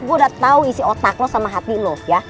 gue udah tau isi otak lo sama hati lo ya